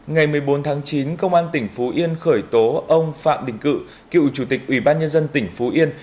ngày một mươi bốn tháng chín công an tp yên khởi tố ông phạm đình cự cựu chủ tịch ủy ban nhân dân tp yên